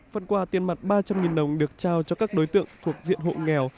phần quà tiền mặt ba trăm linh đồng được trao cho các đối tượng thuộc diện hộ nghèo